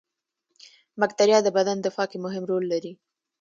بکتریا د بدن دفاع کې مهم رول لري